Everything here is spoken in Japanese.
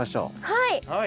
はい。